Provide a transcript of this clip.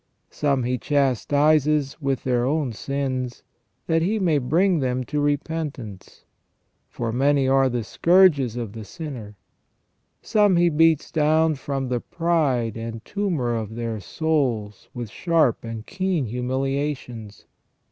Some He chastises with their own sins, that He may bring them to repentance. For, " many are the scourges of the sinner ". Some He beats down from the pride and tumour of their souls with sharp and keen humiliations.